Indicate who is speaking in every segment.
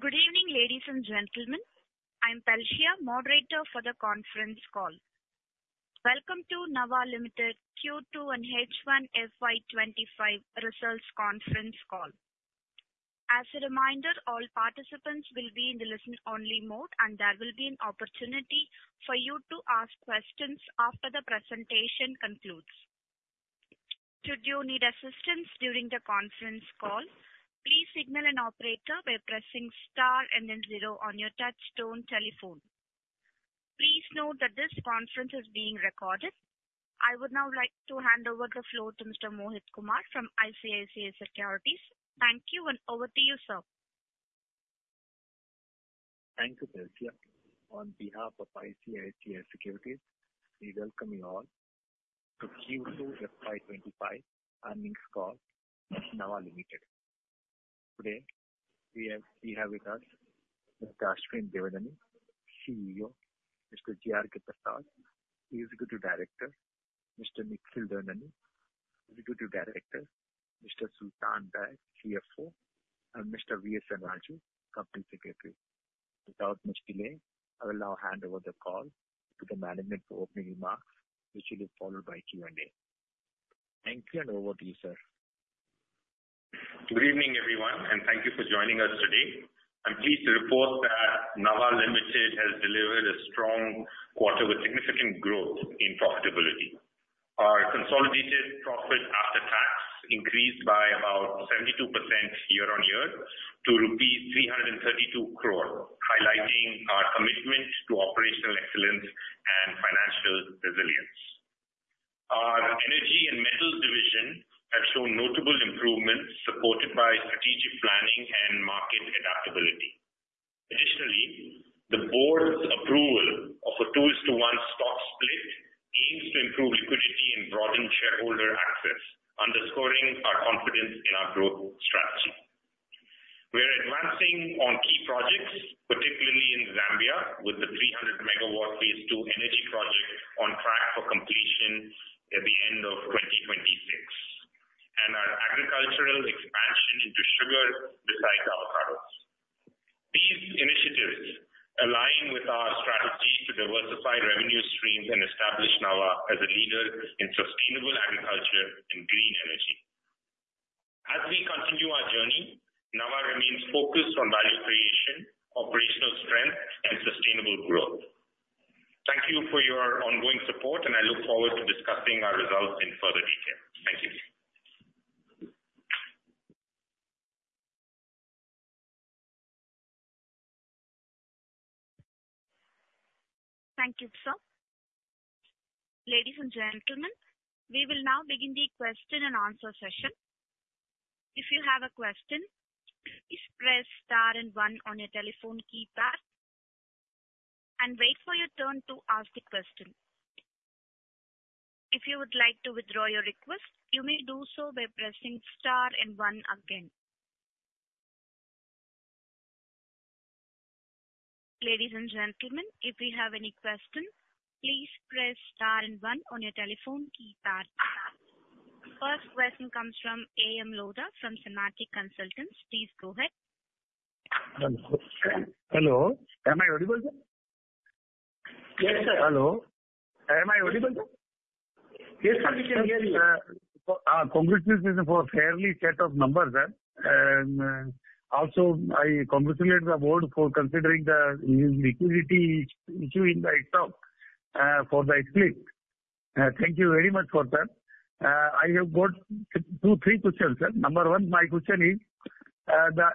Speaker 1: Good evening, ladies and gentlemen. I'm Valsia, moderator for the conference call. Welcome to Nava Limited Q2 and H1 FY 2025 Results Conference Call. As a reminder, all participants will be in the listen-only mode, and there will be an opportunity for you to ask questions after the presentation concludes. Should you need assistance during the conference call, please signal an operator by pressing star and then zero on your touchtone telephone. Please note that this conference is being recorded. I would now like to hand over the floor to Mr. Mohit Kumar from ICICI Securities. Thank you, and over to you, sir.
Speaker 2: Thank you, Valsia. On behalf of ICICI Securities, we welcome you all to Q2 FY 2025 earnings call at Nava Limited. Today, we have with us Mr. Ashwin Devineni, CEO, Mr. G.R.K. Prasad, Executive Director, Mr. Nikhil Devineni, Executive Director, Mr. Sultan Baig, CFO, and Mr. V. S.N. Raju, Company Secretary. Without much delay, I will now hand over the call to the management for opening remarks, which will be followed by Q&A. Thank you, and over to you, sir.
Speaker 3: Good evening, everyone, and thank you for joining us today. I'm pleased to report that Nava Limited has delivered a strong quarter with significant growth in profitability. Our consolidated profit after tax increased by about 72% year-on-year to rupees 332 crore, highlighting our commitment to operational excellence and financial resilience. Our energy and metals division have shown notable improvements, supported by strategic planning and market adaptability. Additionally, the board's approval of a 2:1 stock split aims to improve liquidity and broaden shareholder access, underscoring our confidence in our growth strategy. We're advancing on key projects, particularly in Zambia, with the 300-MW Phase II energy project on track for completion at the end of 2026, and our agricultural expansion into sugar besides avocados. These initiatives align with our strategy to diversify revenue streams and establish Nava as a leader in sustainable agriculture and green energy. As we continue our journey, Nava remains focused on value creation, operational strength, and sustainable growth. Thank you for your ongoing support, and I look forward to discussing our results in further detail. Thank you.
Speaker 1: Thank you, sir. Ladies and gentlemen, we will now begin the question-and-answer session. If you have a question, please press star and one on your telephone keypad and wait for your turn to ask the question. If you would like to withdraw your request, you may do so by pressing star and one again. Ladies and gentlemen, if you have any questions, please press star and one on your telephone keypad. First question comes from A.M. Lodha from Sanmati Consultants. Please go ahead.
Speaker 4: Hello. Am I audible? Yes, sir. Hello. Am I audible?
Speaker 3: Yes, sir. We can hear you.
Speaker 4: Congratulations for a fair set of numbers, sir. Also, I congratulate the board for considering the liquidity issue in the split itself for the split. Thank you very much for that. I have got two, three questions, sir. Number one, my question is, the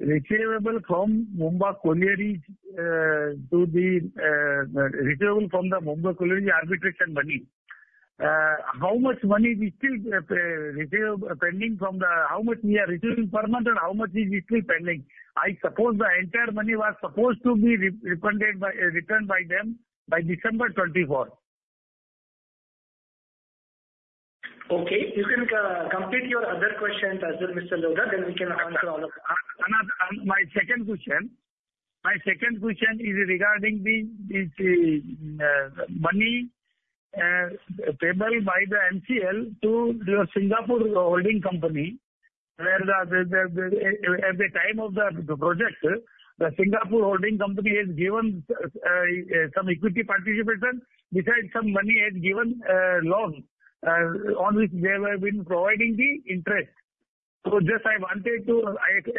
Speaker 4: receivable from Maamba Collieries to the receivable from the Maamba Collieries arbitration money, how much money is still pending from the how much we are receiving per month, and how much is still pending? I suppose the entire money was supposed to be returned by them by December 24.
Speaker 5: Okay. You can complete your other questions as well, Mr. Lodha, then we can answer all of them.
Speaker 4: My second question, my second question is regarding the money payable by the MCL to the Singapore holding company where at the time of the project, the Singapore holding company has given some equity participation besides some money has given loans on which they have been providing the interest. So just I wanted to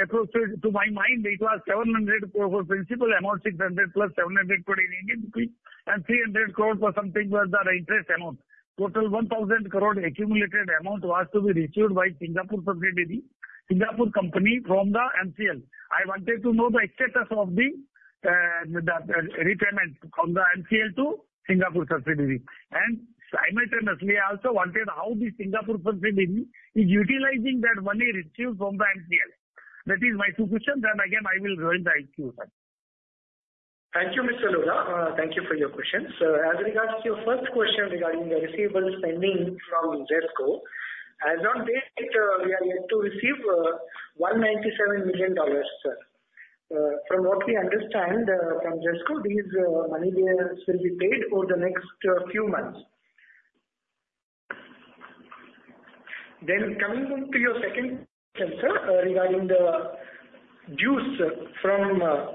Speaker 4: approach it to my mind, it was 700 for principal amount, INR 600+INR 700 crore in Indian rupees, and 300 crore for something was the interest amount. Total 1,000 crore accumulated amount was to be received by Singapore subsidiary, Singapore company from the MCL. I wanted to know the status of the repayment from the MCL to Singapore subsidiary. And simultaneously, I also wanted how the Singapore subsidiary is utilizing that money received from the MCL. That is my two questions. And again, I will join the queue.
Speaker 5: Thank you, Mr. Lodha. Thank you for your questions. As regards to your first question regarding the receivable spending from ZESCO, as of date, we are yet to receive $197 million, sir. From what we understand from ZESCO, these money bills will be paid over the next few months. Then coming to your second answer regarding the dues from Maamba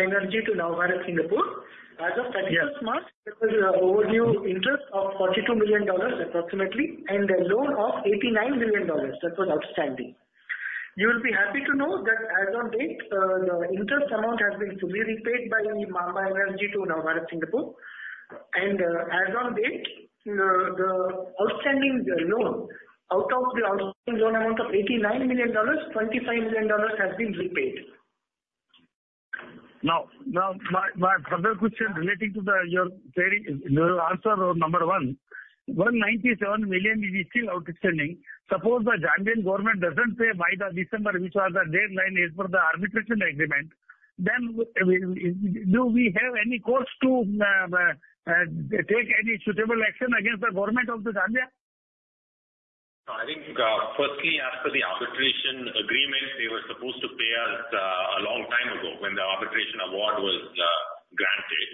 Speaker 5: Energy to Nava Bharat Singapore, as of 31st March, there was an overdue interest of $42 million approximately and a loan of $89 million. That was outstanding. You will be happy to know that as of date, the interest amount has been fully repaid by Maamba Energy to Nava Bharat Singapore. As of date, the outstanding loan out of the outstanding loan amount of $89 million, $25 million has been repaid.
Speaker 4: Now, my further question relating to your answer number one, $197 million is still outstanding. Suppose the Zambian government doesn't pay by the December, which was the deadline for the arbitration agreement, then do we have any course to take any suitable action against the government of Zambia?
Speaker 3: I think firstly, after the arbitration agreement, they were supposed to pay us a long time ago when the arbitration award was granted.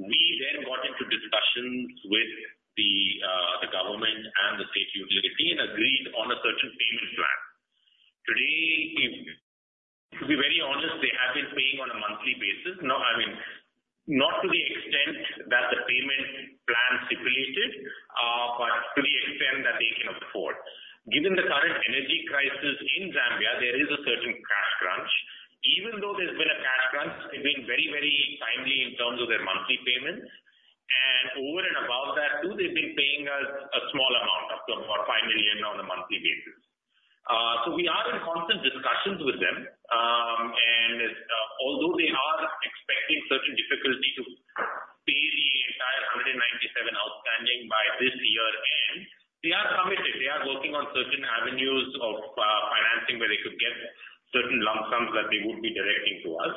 Speaker 3: We then got into discussions with the government and the state utility and agreed on a certain payment plan. Today, to be very honest, they have been paying on a monthly basis. I mean, not to the extent that the payment plan stipulated, but to the extent that they can afford. Given the current energy crisis in Zambia, there is a certain cash crunch. Even though there's been a cash crunch, they've been very, very timely in terms of their monthly payments. And over and above that too, they've been paying us a small amount, up to about $5 million on a monthly basis. So we are in constant discussions with them. Although they are expecting certain difficulty to pay the entire $197 million outstanding by this year's end, they are committed. They are working on certain avenues of financing where they could get certain lump sums that they would be directing to us.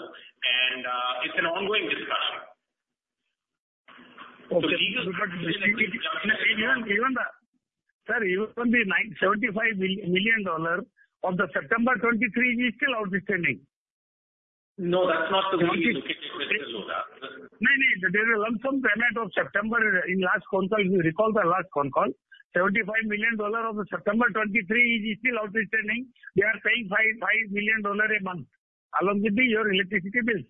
Speaker 3: It's an ongoing discussion.
Speaker 4: Okay. Sir, even the $75 million of the September 2023 is still outstanding.
Speaker 3: No, that's not the way you look at it, Mr. Lodha.
Speaker 4: No, no. There's a lump sum payment of September in last phone call. You recall the last phone call? $75 million of the September 2023 is still outstanding. They are paying $5 million a month along with your electricity bills.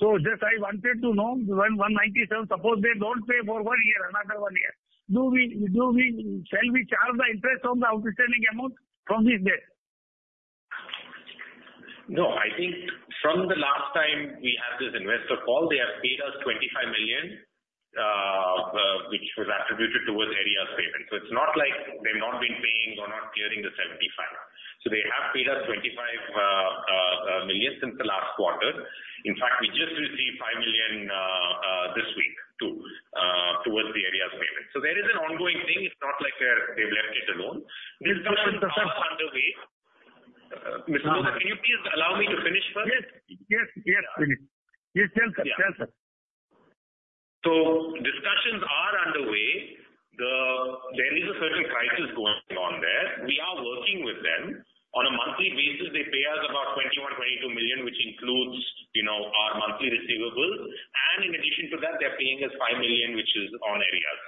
Speaker 4: So just I wanted to know, when $197 million suppose they don't pay for one year, another one year, shall we charge the interest on the outstanding amount from this date?
Speaker 3: No, I think from the last time we had this investor call, they have paid us $25 million, which was attributed towards arrear payments. So it's not like they've not been paying or not clearing the $75 million. So they have paid us $25 million since the last quarter. In fact, we just received $5 million this week too towards the arrear payments. So there is an ongoing thing. It's not like they've left it alone. Discussions are underway. Mr. Lodha, can you please allow me to finish first?
Speaker 4: Yes. Yes. Yes. Please. Yes, sir. Tell us.
Speaker 3: Discussions are underway. There is a certain crisis going on there. We are working with them. On a monthly basis, they pay us about $21 million-$22 million, which includes our monthly receivables. In addition to that, they're paying us $5 million, which is on arrears.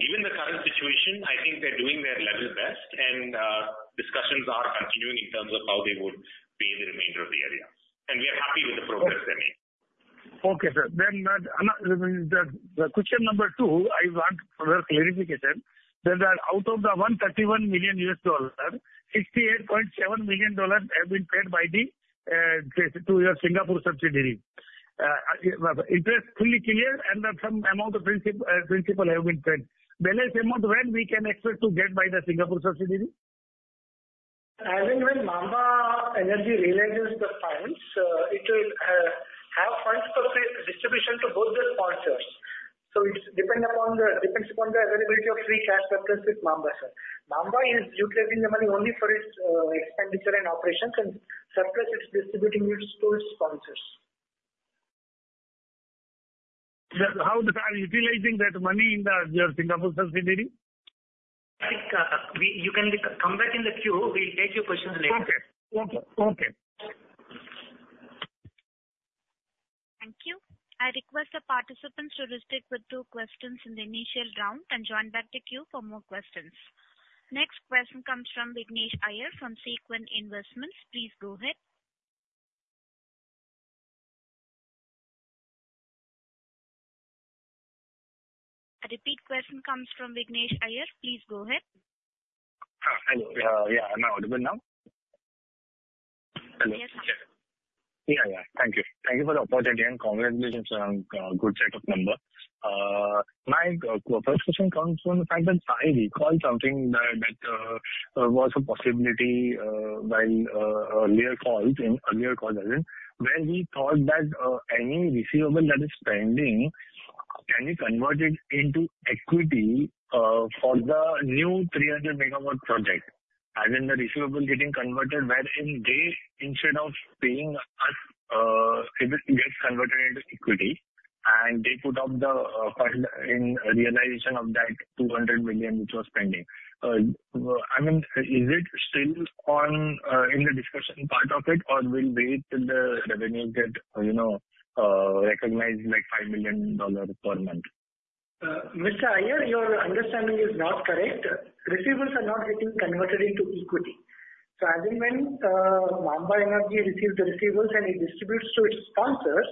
Speaker 3: Given the current situation, I think they're doing their level best. Discussions are continuing in terms of how they would pay the remainder of the arrears. We are happy with the progress they're making.
Speaker 4: Okay, sir. Then the question number two, I want further clarification. Out of the $131 million, $68.7 million have been paid by the Singapore subsidiary. Interest fully cleared, and some amount of principal has been paid. Balance amount, when we can expect to get by the Singapore subsidiary?
Speaker 5: As in when Maamba Energy realizes the funds, it will have funds for distribution to both the sponsors. So it depends upon the availability of free cash surplus with Maamba, sir. Maamba is utilizing the money only for its expenditure and operations, and surplus is distributing to its sponsors.
Speaker 4: How is it utilizing that money in the Singapore subsidiary?
Speaker 6: I think you can come back in the queue. We'll take your questions later.
Speaker 4: Okay. Okay. Okay.
Speaker 1: Thank you. I request the participants to restrict with two questions in the initial round and join back the queue for more questions. Next question comes from Vignesh Iyer from Sequent Investments. Please go ahead. A repeat question comes from Vignesh Iyer. Please go ahead.
Speaker 7: Hello. Yeah. Am I audible now?
Speaker 1: Yes, sir.
Speaker 7: Yeah. Yeah. Thank you. Thank you for the opportunity. Congratulations on a good set of numbers. My first question comes from the fact that I recall something that was a possibility while earlier calls, in earlier calls, as in when we thought that any receivable that is pending can be converted into equity for the new 300-MW project, as in the receivable getting converted, wherein they, instead of paying us, it gets converted into equity, and they put up the fund in realization of that $200 million, which was pending. I mean, is it still in the discussion part of it, or will wait till the revenues get recognized like $5 million per month?
Speaker 5: Mr. Iyer, your understanding is not correct. Receivables are not getting converted into equity. So as in when Maamba Energy receives the receivables and it distributes to its sponsors,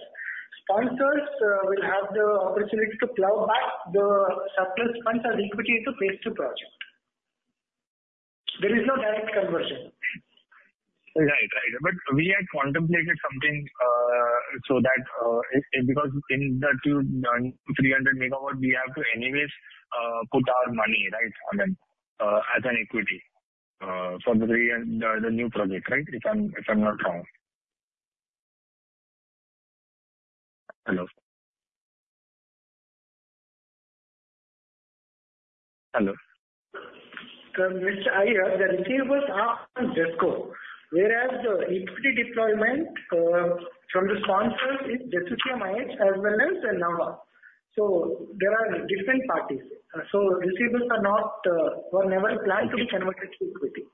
Speaker 5: sponsors will have the opportunity to plow back the surplus funds as equity to Phase II project. There is no direct conversion.
Speaker 7: Right. Right, but we had contemplated something so that because in the 300-MW, we have to anyways put our money, right, as an equity for the new project, right, if I'm not wrong. Hello. Hello.
Speaker 5: Mr. Iyer, the receivables are on ZESCO, whereas the equity deployment from the sponsors is ZESCO, ZCCM-IH, as well as Nava. So there are different parties. So receivables were never planned to be converted to equity.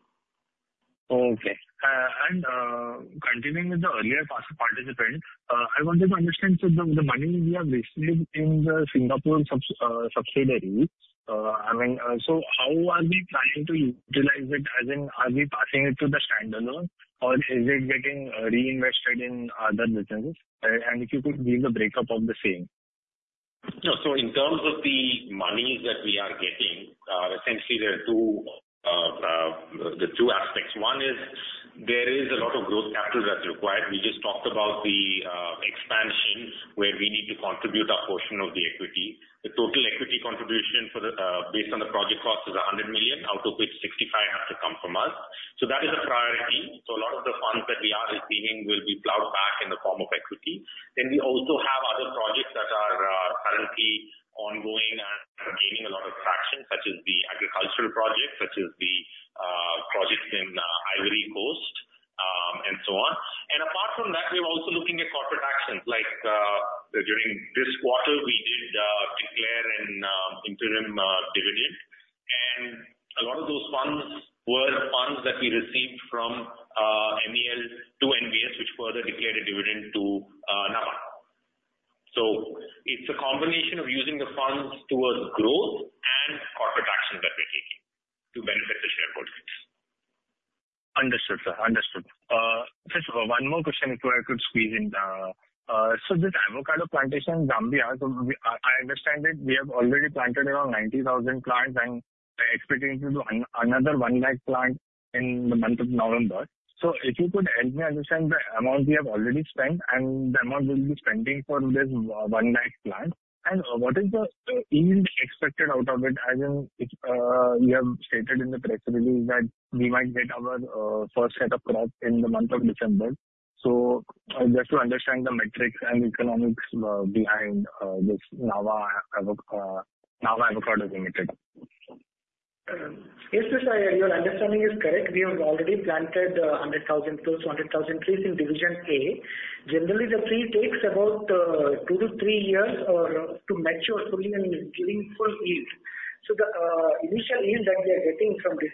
Speaker 7: Okay, and continuing with the earlier participant, I wanted to understand the money we have received in the Singapore subsidiary. So how are we planning to utilize it, as in are we passing it to the standalone, or is it getting reinvested in other businesses? And if you could give the breakup of the same.
Speaker 3: So in terms of the money that we are getting, essentially, there are two aspects. One is there is a lot of growth capital that's required. We just talked about the expansion where we need to contribute a portion of the equity. The total equity contribution based on the project cost is $100 million, out of which $65 million has to come from us. So that is a priority. So a lot of the funds that we are receiving will be plowed back in the form of equity. Then we also have other projects that are currently ongoing and gaining a lot of traction, such as the agricultural project, such as the projects in Ivory Coast, and so on. And apart from that, we're also looking at corporate actions. Like during this quarter, we did declare an interim dividend. And a lot of those funds were funds that we received from MEL to NBS, which further declared a dividend to Nava. So it's a combination of using the funds towards growth and corporate action that we're taking to benefit the shareholders.
Speaker 7: Understood, sir. Understood. First of all, one more question before I could squeeze in. So this avocado plantation in Zambia, I understand that we have already planted around 90,000 plants, and expecting to do another 1,000,000 plant in the month of November. So if you could help me understand the amount we have already spent and the amount we'll be spending for this 1,000,000 plant, and what is the yield expected out of it, as in we have stated in the press release that we might get our first set of crops in the month of December? So just to understand the metrics and economics behind this Nava Avocado Limited.
Speaker 5: Yes, sir. Your understanding is correct. We have already planted 100,000+, 100,000 trees in division A. Generally, the tree takes about two to three years to mature fully and giving full yield. So the initial yield that we are getting from this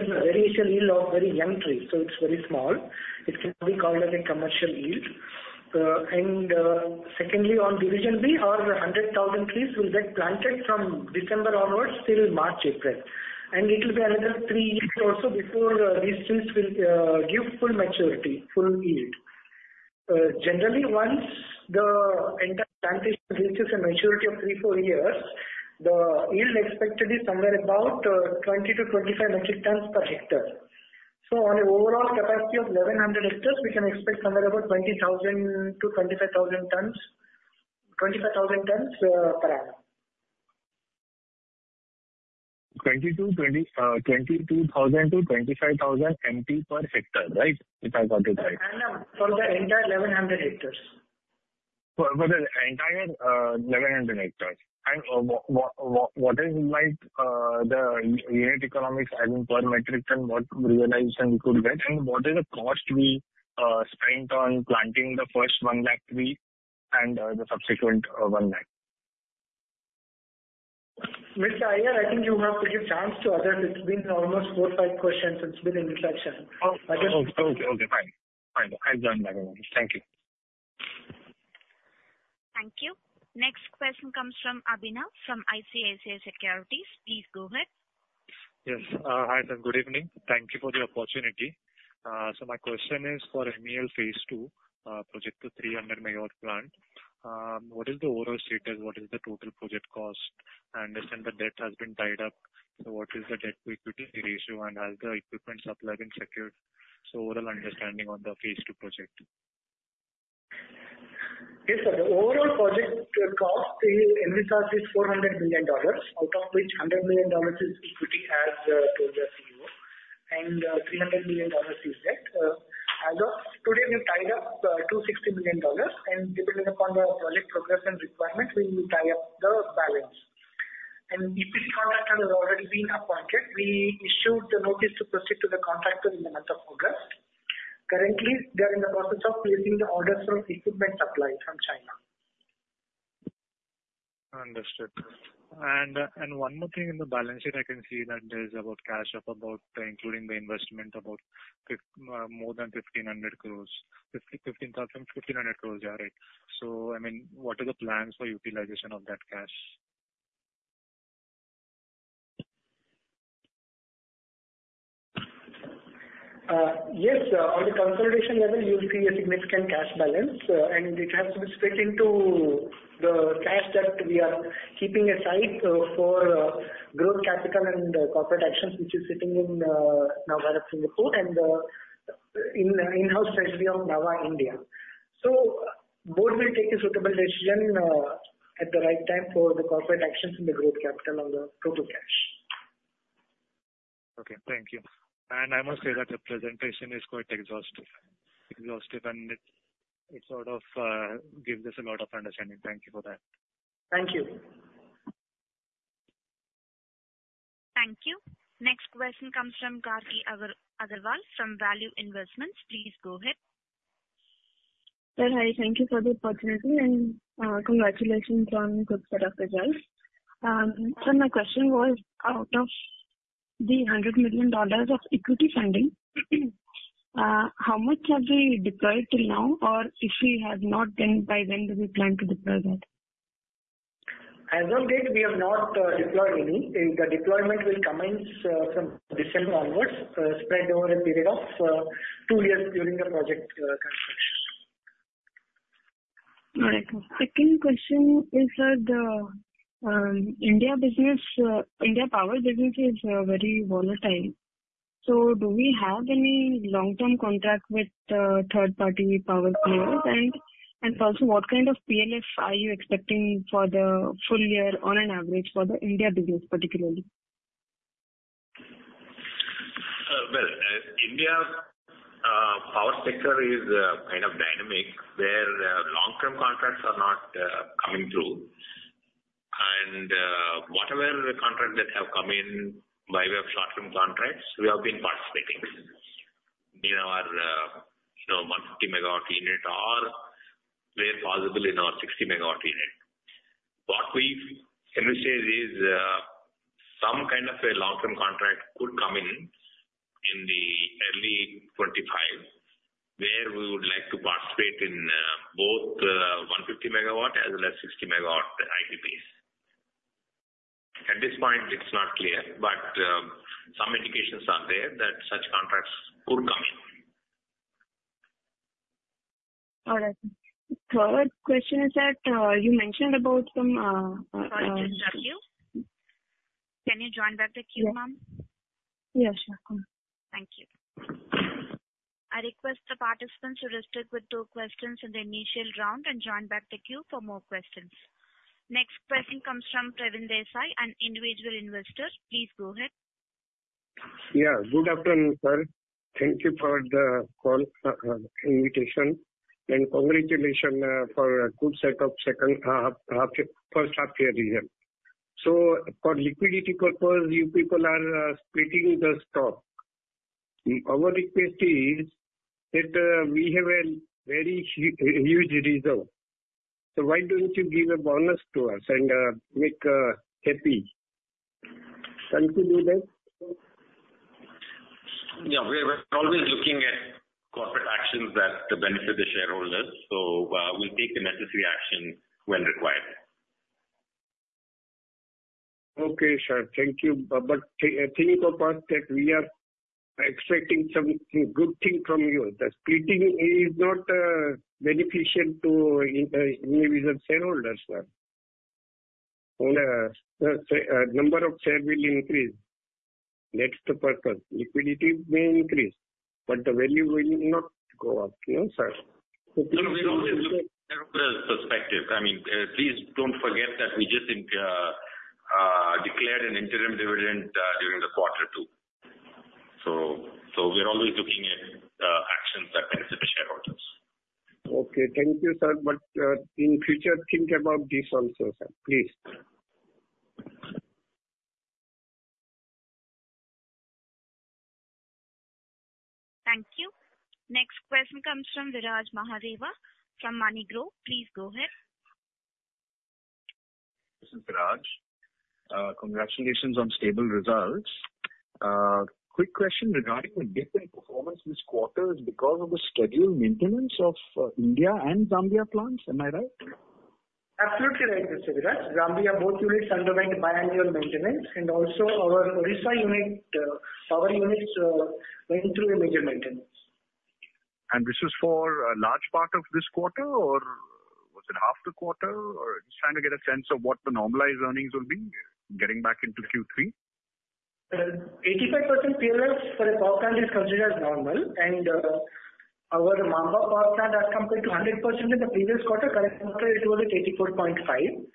Speaker 5: is the very initial yield of very young trees. So it's very small. It can be called as a commercial yield. And secondly, on division B, our 100,000 trees will get planted from December onwards till March, April. And it will be another three years also before these trees will give full maturity, full yield. Generally, once the entire plantation reaches a maturity of three, four years, the yield expected is somewhere about 20,000-25,000, metric tons per hectare. So on an overall capacity of 1,100 hectares, we can expect somewhere about 20,000-25,000 tons per annum.
Speaker 7: 20,000-25,000 metric per hectare, right, if I got it right?
Speaker 5: Iyer, for the entire 1,100 hectares.
Speaker 7: For the entire 1,100 hectares. And what is the unit economics as in per metric ton? What realization we could get? And what is the cost we spent on planting the first 1,000,000 trees and the subsequent 1,000,000?
Speaker 5: Mr. Iyer, I think you have to give chance to others. It's been almost four or five questions. It's been in the session. I just.
Speaker 7: Okay. Fine. I'll join back in a moment. Thank you.
Speaker 1: Thank you. Next question comes from Abhinav from ICICI Securities. Please go ahead. Yes. Hi, sir. Good evening. Thank you for the opportunity. So my question is for MEL Phase II project to 300-MW plant, what is the overall status? What is the total project cost? I understand the debt has been tied up. So what is the debt-to-equity ratio? And has the equipment supplied and secured? So overall understanding on the Phase II project.
Speaker 5: Yes, sir. The overall project cost in-house is $400 million, out of which $100 million is equity as told by the CEO, and $300 million is debt. As of today, we've tied up $260 million. Depending upon the project progress and requirement, we will tie up the balance. The EPC contractor has already been appointed. We issued the notice to proceed to the contractor in the month of August. Currently, they are in the process of placing the orders for equipment supply from China. Understood. And one more thing. In the balance sheet, I can see that there's cash including the investment more than 1,500 crores. 15,000, 1,500 crores, yeah, right. So I mean, what are the plans for utilization of that cash? Yes. On the consolidation level, you'll see a significant cash balance. And it has to be split into the cash that we are keeping aside for growth capital and corporate actions, which is sitting in Nava, Singapore, and in the in-house treasury of Nava India. So both will take a suitable decision at the right time for the corporate actions and the growth capital on the total cash. Okay. Thank you, and I must say that the presentation is quite exhaustive. Exhaustive, and it sort of gives us a lot of understanding. Thank you for that. Thank you.
Speaker 1: Thank you. Next question comes from Gargi Agarwal from Value Investment. Please go ahead.
Speaker 8: Sir, hi. Thank you for the opportunity. And congratulations on good product results. So my question was, out of the $100 million of equity funding, how much have we deployed till now, or if we have not, then by when do we plan to deploy that?
Speaker 5: As of date, we have not deployed any. The deployment will commence from December onwards, spread over a period of two years during the project construction.
Speaker 8: All right. Second question is, sir, the India power business is very volatile. So do we have any long-term contract with third-party power players? And also, what kind of PLF are you expecting for the full year, on an average, for the India business particularly? India's power sector is kind of dynamic, where long-term contracts are not coming through. Whatever the contracts that have come in by way of short-term contracts, we have been participating in our 150-MW unit or, where possible, in our 60-MW unit. What we can say is some kind of a long-term contract could come in in the early 2025, where we would like to participate in both 150-MW as well as 60-MW IPPs. At this point, it's not clear, but some indications are there that such contracts could come in. All right. Third question is that you mentioned about some.
Speaker 1: Can you join back the queue, ma'am?
Speaker 8: Yes. Yes, you can.
Speaker 1: Thank you. I request the participants to restrict with two questions in the initial round and join back the queue for more questions. Next question comes from Praveen Desai, an individual investor. Please go ahead. Yeah. Good afternoon, sir. Thank you for the call invitation. And congratulations for a good set of first half-year results. So for liquidity purpose, you people are splitting the stock. Our request is that we have a very huge reserve. So why don't you give a bonus to us and make us happy? Can you do that?
Speaker 3: Yeah. We're always looking at corporate actions that benefit the shareholders. So we'll take the necessary action when required. Okay, sir. Thank you. But think about that we are expecting some good thing from you. The splitting is not beneficial to individual shareholders, sir. The number of shares will increase. That's the purpose. Liquidity may increase, but the value will not go up, no, sir. So we're always looking at the shareholders' perspective. I mean, please don't forget that we just declared an interim dividend during the quarter two. So we're always looking at actions that benefit the shareholders. Okay. Thank you, sir. But in future, think about this also, sir. Please.
Speaker 1: Thank you. Next question comes from Viraj Mahadevia from MoneyGrow. Please go ahead.
Speaker 9: This is Viraj. Congratulations on stable results. Quick question regarding the different performance this quarter is because of the scheduled maintenance of India and Zambia plants. Am I right?
Speaker 5: Absolutely right, Mr. Viraj. Zambia, both units underwent biannual maintenance, and also, our Odisha unit, power units, went through a major maintenance.
Speaker 9: This was for a large part of this quarter, or was it half the quarter? Just trying to get a sense of what the normalized earnings will be getting back into Q3.
Speaker 5: 85% PLF for a power plant is considered normal, and our Maamba power plant has come close to 100% in the previous quarter. Current quarter, it was at 84.5%.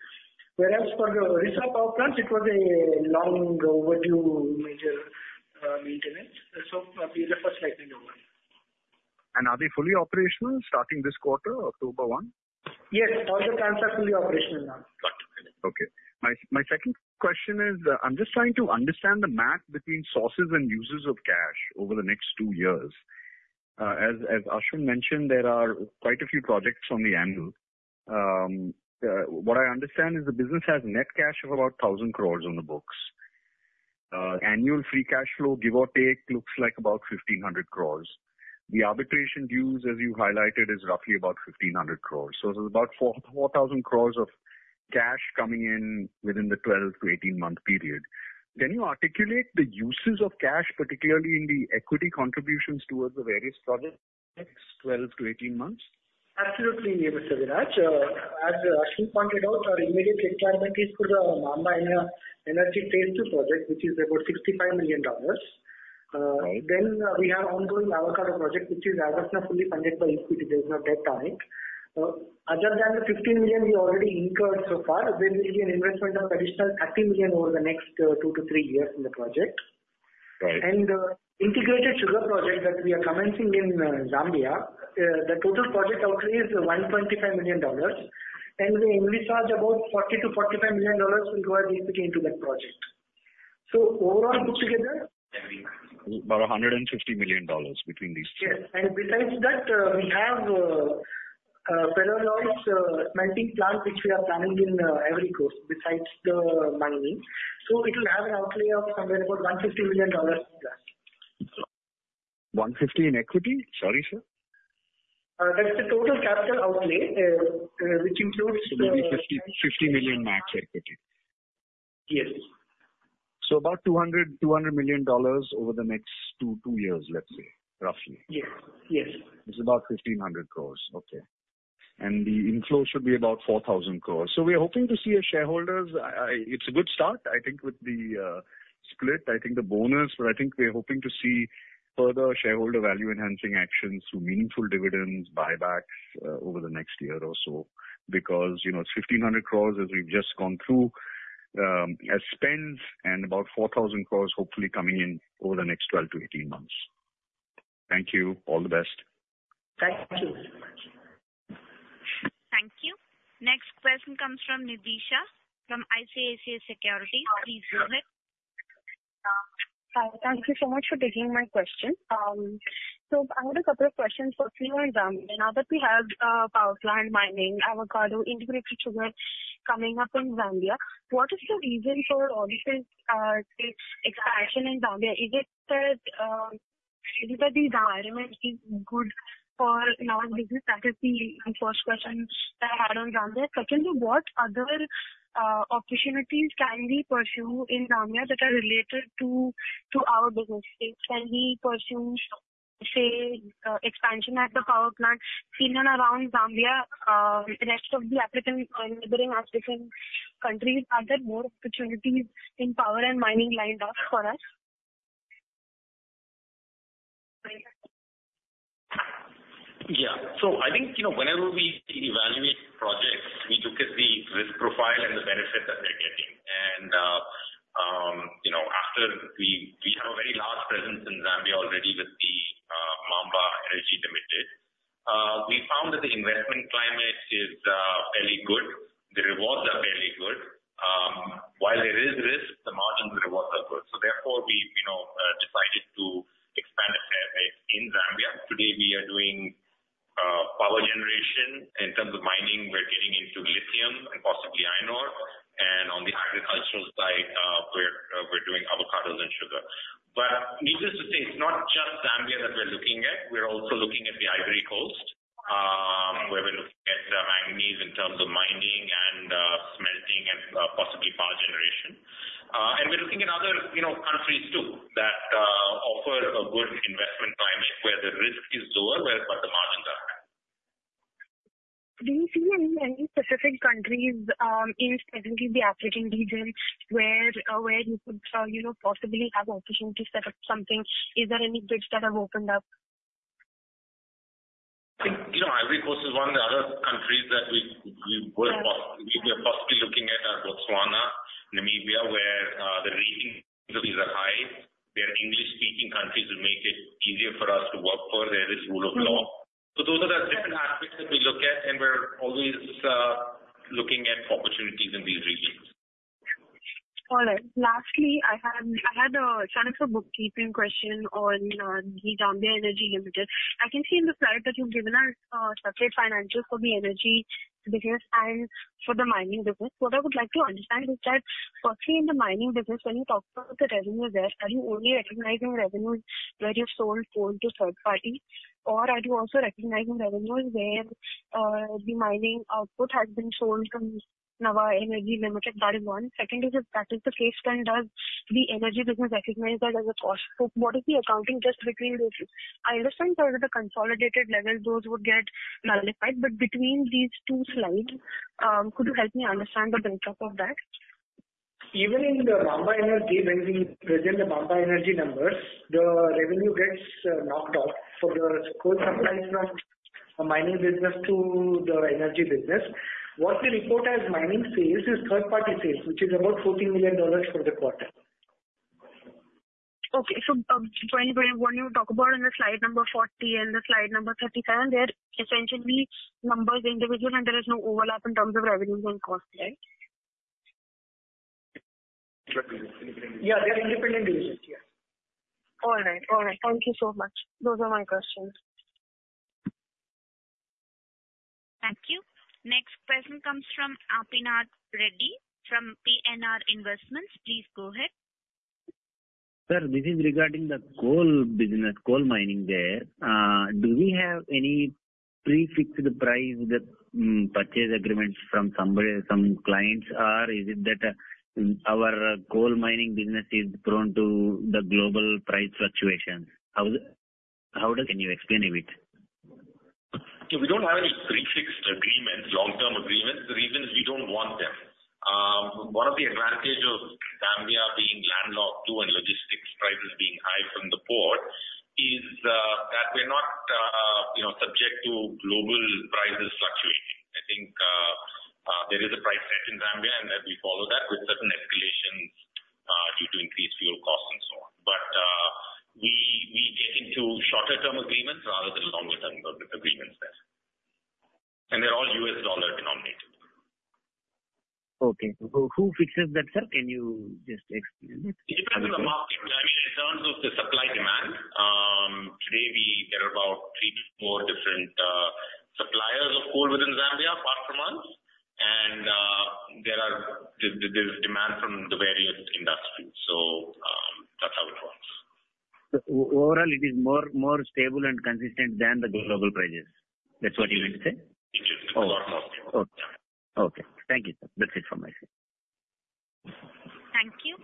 Speaker 5: Whereas for the Odisha power plants, it was a long overdue major maintenance, so PLF was slightly lower.
Speaker 9: Are they fully operational starting this quarter, October 1?
Speaker 5: Yes. All the plants are fully operational now.
Speaker 9: Got it. Okay. My second question is, I'm just trying to understand the map between sources and users of cash over the next two years. As Ashwin mentioned, there are quite a few projects on the anvil. What I understand is the business has net cash of about 1,000 crores on the books. Annual free cash flow, give or take, looks like about 1,500 crores. The arbitration dues, as you highlighted, is roughly about 1,500 crores. So it's about 4,000 crores of cash coming in within the 12-18-month period. Can you articulate the uses of cash, particularly in the equity contributions towards the various projects 12-18 months?
Speaker 5: Absolutely, Mr. Viraj. As Ashwin pointed out, our immediate requirement is for the Maamba Energy Phase II project, which is about $65 million. Then we have ongoing avocado project, which is almost fully funded by EPC. There's no debt on it. Other than the $15 million we already incurred so far, there will be an investment of additional $30 million over the next two to three years in the project. And the integrated sugar project that we are commencing in Zambia, the total project outlay is $125 million. And Nava's, about $40 million-$45 million will go as EPC into that project. So overall, put together.
Speaker 3: About $150 million between these two.
Speaker 5: Yes, and besides that, we have Ferroalloys smelting plant, which we are planning in Ivory Coast, besides the mining, so it will have an outlay of somewhere about $150 million in that.
Speaker 9: $150 million in equity? Sorry, sir.
Speaker 5: That's the total capital outlay, which includes the.
Speaker 9: It'll be $50 million max equity.
Speaker 5: Yes.
Speaker 9: So about $200 million over the next two years, let's say, roughly.
Speaker 5: Yes. Yes.
Speaker 9: It's about 1,500 crores. Okay. And the inflow should be about 4,000 crores. So we're hoping to see shareholders. It's a good start, I think, with the split. I think the bonus, but I think we're hoping to see further shareholder value-enhancing actions through meaningful dividends, buybacks over the next year or so because it's 1,500 crores, as we've just gone through, as spends, and about 4,000 crores hopefully coming in over the next 12-18 months. Thank you. All the best.
Speaker 5: Thank you.
Speaker 1: Thank you. Next question comes from Nidhi Shah from ICICI Securities. Please go ahead.
Speaker 10: Hi. Thank you so much for taking my question. So I have a couple of questions for you on Zambia. Now that we have power plant mining, avocado, integrated sugar coming up in Zambia, what is the reason for all this expansion in Zambia? Is it that the environment is good for our business? That is the first question that I had on Zambia. Secondly, what other opportunities can we pursue in Zambia that are related to our business? Can we pursue, say, expansion at the power plant? In and around Zambia, rest of Africa, neighboring African countries, are there more opportunities in power and mining lined up for us?
Speaker 3: Yeah. So I think whenever we evaluate projects, we look at the risk profile and the benefit that they're getting. And after we have a very large presence in Zambia already with the Maamba Energy Limited, we found that the investment climate is fairly good. The rewards are fairly good. While there is risk, the margin rewards are good. So therefore, we decided to expand in Zambia. Today, we are doing power generation. In terms of mining, we're getting into lithium and possibly iron ore. And on the agricultural side, we're doing avocados and sugar. But needless to say, it's not just Zambia that we're looking at. We're also looking at the Ivory Coast, where we're looking at the manganese in terms of mining and smelting and possibly power generation. We're looking at other countries too that offer a good investment climate where the risk is lower, but the margins are high.
Speaker 10: Do you see any specific countries in specifically the African region where you could possibly have opportunities to set up something? Is there any bids that have opened up?
Speaker 3: I think Ivory Coast is one. The other countries that we are possibly looking at are Botswana and Namibia, where the ratings of these are high. They are English-speaking countries who make it easier for us to work for. There is rule of law. So those are the different aspects that we look at, and we're always looking at opportunities in these regions.
Speaker 10: All right. Lastly, I had a chance for a bookkeeping question on the Maamba Energy Limited. I can see in the slide that you've given us separate financials for the energy business and for the mining business. What I would like to understand is that, firstly, in the mining business, when you talk about the revenues there, are you only recognizing revenues where you've sold coal to third parties, or are you also recognizing revenues where the mining output has been sold to Maamba Energy Limited? That is one. Secondly, if that is the case, then does the energy business recognize that as a cost? What is the accounting just between these? I understand that at a consolidated level, those would get nullified. But between these two slides, could you help me understand the benefit of that?
Speaker 5: Even in the Maamba Energy, when we present the Maamba Energy numbers, the revenue gets knocked off for the coal supplies from the mining business to the energy business. What we report as mining sales is third-party sales, which is about $14 million for the quarter.
Speaker 10: Okay. So when you talk about on the slide number 40 and the slide number 37, they're essentially numbers individually, and there is no overlap in terms of revenues and costs, right?
Speaker 5: Yeah. They're independent divisions. Yeah.
Speaker 10: All right. All right. Thank you so much. Those are my questions.
Speaker 1: Thank you. Next question comes from Harinadh Reddy from PNR Investments. Please go ahead.
Speaker 11: Sir, this is regarding the coal business, coal mining there. Do we have any pre-fixed price purchase agreements from some clients, or is it that our coal mining business is prone to the global price fluctuations? How can you explain a bit?
Speaker 3: We don't have any pre-fixed agreements, long-term agreements. The reason is we don't want them. One of the advantages of Zambia being landlocked too and logistics prices being high from the port is that we're not subject to global prices fluctuating. I think there is a price set in Zambia, and we follow that with certain escalations due to increased fuel costs and so on. But we get into shorter-term agreements rather than longer-term agreements there. And they're all U.S. dollar denominated.
Speaker 11: Okay. Who fixes that, sir? Can you just explain that?
Speaker 3: It depends on the market. I mean, in terms of the supply-demand, today, there are about three to four different suppliers of coal within Zambia, apart from us, and there is demand from the various industries, so that's how it works.
Speaker 11: Overall, it is more stable and consistent than the global prices. That's what you meant to say?
Speaker 3: It is a lot more stable.
Speaker 11: Okay. Thank you, sir. That's it from my side.
Speaker 1: Thank you.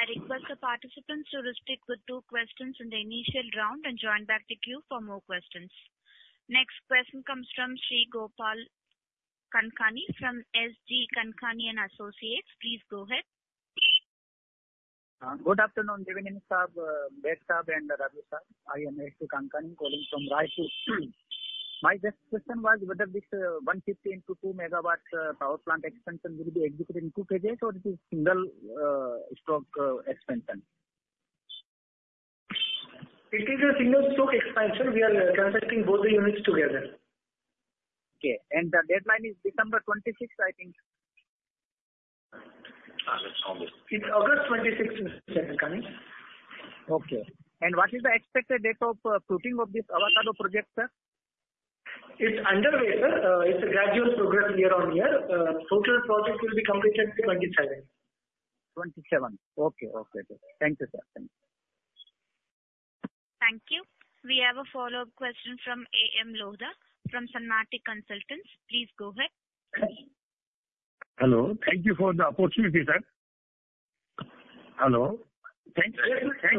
Speaker 1: I request the participants to restrict with two questions in the initial round and join back to queue for more questions. Next question comes from Shreegopal Kankani from S.G. Kankani & Associates. Please go ahead.
Speaker 12: Good afternoon, Devineni and Baig Saab, and Raju Saab. I am SG Kankani calling from Raichur. My first question was whether this 150 to 300 MWs power plant expansion will be executed in two phases, or it is single-stroke expansion?
Speaker 5: It is a single-stroke expansion. We are constructing both the units together.
Speaker 12: Okay, and the deadline is December 26, I think.
Speaker 5: It's August 26, Mr. Kankani.
Speaker 12: Okay. What is the expected date of fruition of this avocado project, sir?
Speaker 5: It's underway, sir. It's a gradual progress year on year. Total project will be completed in 2027.
Speaker 12: Okay. Okay. Thank you, sir. Thank you.
Speaker 1: Thank you. We have a follow-up question from A.M. Lodha from Sanmati Consultants. Please go ahead.
Speaker 4: Hello. Thank you for the opportunity, sir. Hello. Thanks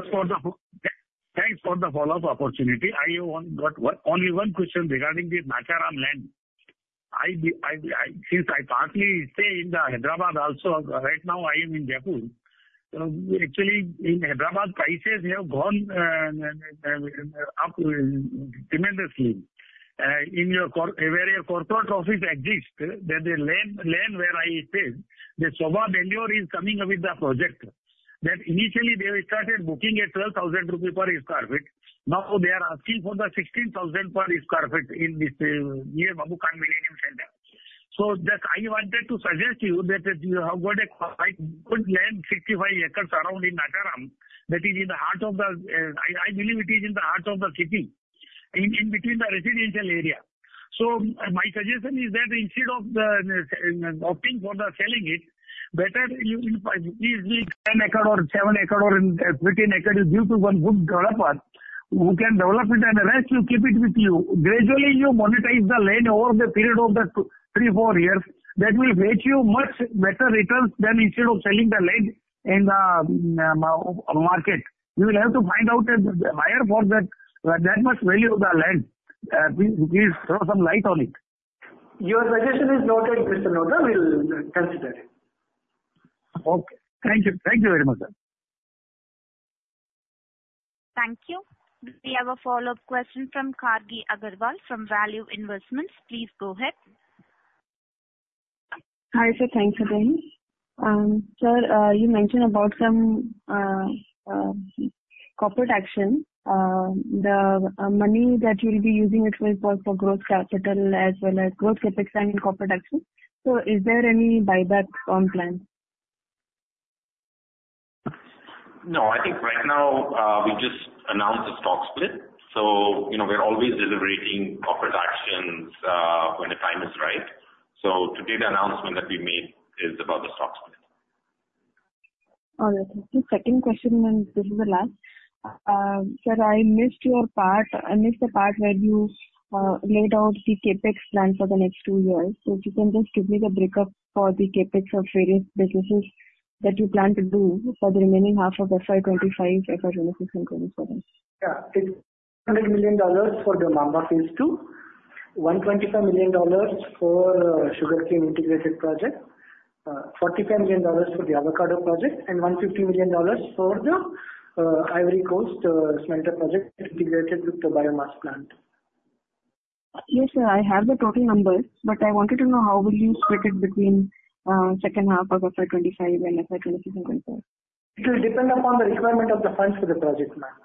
Speaker 4: for the follow-up opportunity. I only got one question regarding the Nacharam land. Since I partly stay in Hyderabad also, right now I am in Jaipur. Actually, in Hyderabad, prices have gone up tremendously. In your area corporate office exists, there is a land where I stay. The Sobha is coming with the project. That initially, they started booking at 12,000 rupees per sq ft. Now, they are asking for the 16,000 per sq ft in this near Banjara Millennium Center. So I wanted to suggest to you that you have got a quite good land, 65 acres around in Nacharam, that is in the heart of the city, I believe, in between the residential area. So, my suggestion is that instead of opting for selling it, better you easily 10 acres or seven acres or 15 acres to one good developer who can develop it and the rest you keep it with you. Gradually, you monetize the land over the period of the three, four years. That will get you much better returns than instead of selling the land in the market. You will have to find out a buyer for that much value of the land. Please throw some light on it.
Speaker 5: Your suggestion is noted, Mr. Lodha. We'll consider it.
Speaker 4: Okay. Thank you. Thank you very much, sir.
Speaker 1: Thank you. We have a follow-up question from Gargi Agarwal from Value Investment. Please go ahead.
Speaker 8: Hi, sir. Thanks for joining. Sir, you mentioned about some corporate action. The money that you'll be using, it will be for growth capital as well as growth capex and corporate action. So is there any buyback on plan?
Speaker 3: No. I think right now, we just announced the stock split. So we're always deliberating corporate actions when the time is right. So today, the announcement that we made is about the stock split.
Speaker 8: All right. Second question, and this is the last. Sir, I missed your part. I missed the part where you laid out the CapEx plan for the next two years. So if you can just give me the breakup for the CapEx of various businesses that you plan to do for the remaining half of FY 2025, FY 2026, and FY 2027?
Speaker 5: Yeah. It's $100 million for the Maamba Phase II, $125 million for sugarcane integrated project, $45 million for the avocado project, and $150 million for the Ivory Coast smelter project integrated with the biomass plant.
Speaker 8: Yes, sir. I have the total numbers, but I wanted to know how will you split it between second half of FY 2025 and FY 2026 and FY 2027?
Speaker 5: It will depend upon the requirement of the funds for the project, ma'am.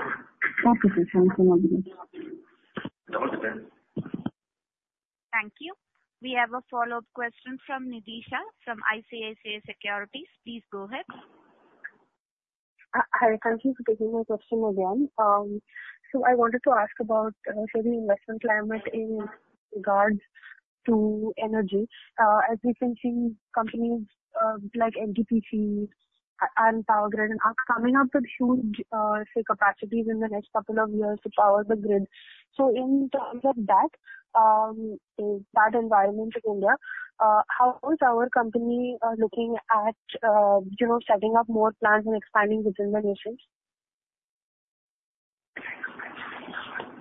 Speaker 8: Okay. Thanks. Thanks so much.
Speaker 3: It all depends.
Speaker 1: Thank you. We have a follow-up question from Nidhi Shah from ICICI Securities. Please go ahead.
Speaker 10: Hi. Thank you for taking my question again. So I wanted to ask about the investment climate in regards to energy. As you can see, companies like NTPC and Power Grid are coming up with huge, say, capacities in the next couple of years to power the grid. So in terms of that, that environment in India, how is our company looking at setting up more plants and expanding within the nation?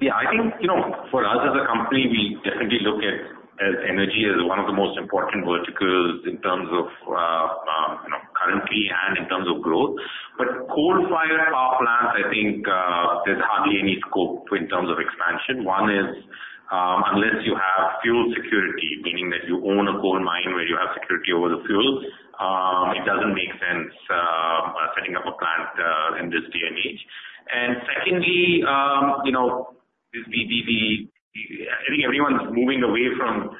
Speaker 3: Yeah. I think for us as a company, we definitely look at energy as one of the most important verticals in terms of currency and in terms of growth. But coal-fired power plants, I think there's hardly any scope in terms of expansion. One is unless you have fuel security, meaning that you own a coal mine where you have security over the fuel, it doesn't make sense setting up a plant in this day and age. And secondly, I think everyone's moving away from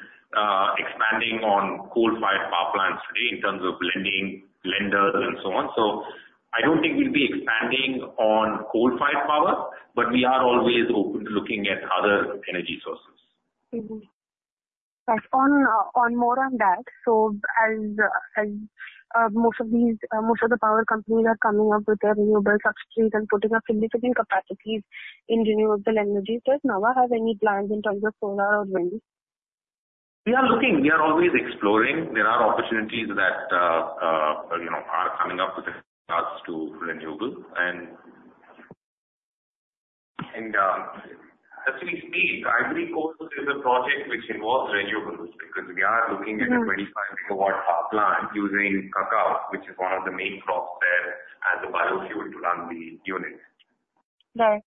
Speaker 3: expanding on coal-fired power plants today in terms of lending lenders and so on. So I don't think we'll be expanding on coal-fired power, but we are always open to looking at other energy sources.
Speaker 10: Right. One more on that, so as most of the power companies are coming up with their renewable subsidiaries and putting up significant capacities in renewable energy, does Nava have any plans in terms of solar or wind?
Speaker 3: We are looking. We are always exploring. There are opportunities that are coming up with regards to renewables.
Speaker 13: And as we speak, Ivory Coast is a project which involves renewables because we are looking at a 25-MW power plant using cacao, which is one of the main crops there as a biofuel to run the units.
Speaker 10: Right.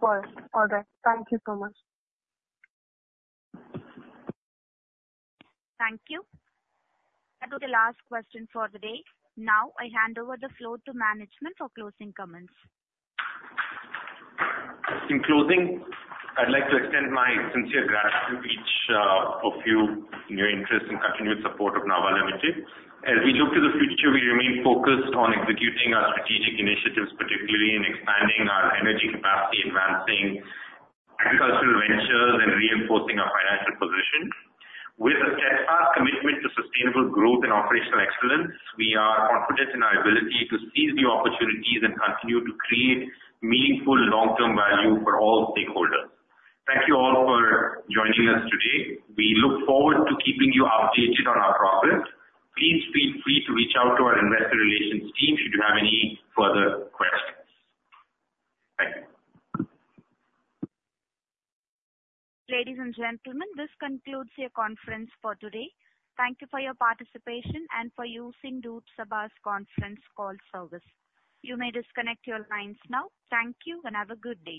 Speaker 10: All right. Thank you so much.
Speaker 1: Thank you. That was the last question for the day. Now, I hand over the floor to management for closing comments.
Speaker 3: In closing, I'd like to extend my sincere gratitude to each of you in your interest in continued support of Nava Limited. As we look to the future, we remain focused on executing our strategic initiatives, particularly in expanding our energy capacity, advancing agricultural ventures, and reinforcing our financial position. With a steadfast commitment to sustainable growth and operational excellence, we are confident in our ability to seize new opportunities and continue to create meaningful long-term value for all stakeholders. Thank you all for joining us today. We look forward to keeping you updated on our progress. Please feel free to reach out to our investor relations team should you have any further questions. Thank you.
Speaker 1: Ladies and gentlemen, this concludes your conference for today. Thank you for your participation and for using ICICI Securities' conference call service. You may disconnect your lines now. Thank you and have a good day.